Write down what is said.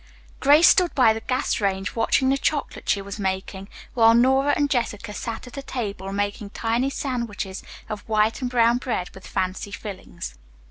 Grace stood by the gas range watching the chocolate she was making, while Nora and Jessica sat at a table making tiny sandwiches of white and brown bread with fancy fillings.